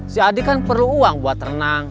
si adik kan perlu uang buat renang